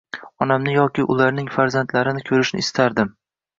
onamni yoki ularning farzandlarini ko‘rishni istardim.